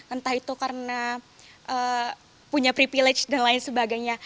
entah itu karena punya privilege dan lain sebagainya